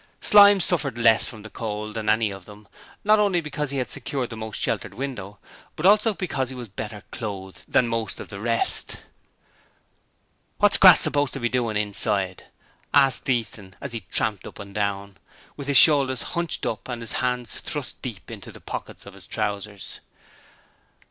Slyme suffered less from the cold than any of them, not only because he had secured the most sheltered window, but also because he was better clothed than most of the rest. 'What's Crass supposed to be doin' inside?' asked Easton as he tramped up and down, with his shoulders hunched up and his hands thrust deep into the pockets of his trousers.